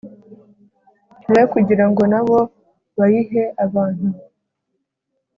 Be kugira ngo na bo bayihe abantu